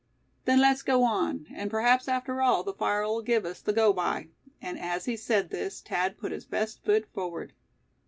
"Then let's go on; an' perhaps after all, the fire'll give us the go by," and as he said this Thad put his best foot forward.